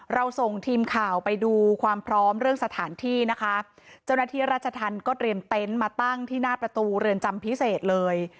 เราส่งทีมข่าวไปดูความพร้อมเรื่องสถานที่นะคะเจ้าหน้าที่ราชธรรมก็เตรียมเต็นต์มาตั้งที่หน้าประตูเรือนจำพิเศษเลย